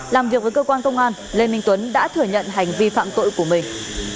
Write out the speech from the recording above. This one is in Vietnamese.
làm việc với cơ quan công an lê minh tuấn đã thừa nhận hành vi phạm tội của mình